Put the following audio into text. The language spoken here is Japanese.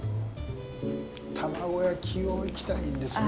玉子焼きをいきたいんですね。